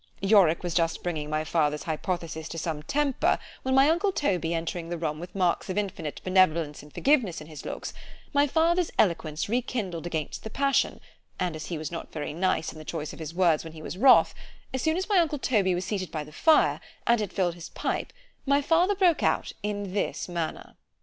Yorick was just bringing my father's hypothesis to some temper, when my uncle Toby entering the room with marks of infinite benevolence and forgiveness in his looks, my father's eloquence re kindled against the passion——and as he was not very nice in the choice of his words when he was wroth——as soon as my uncle Toby was seated by the fire, and had filled his pipe, my father broke out in this manner.